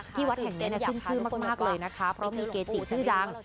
วัดแห่งนี้มีชื่อมากเลยนะคะเพราะมีเกจิชื่อดัง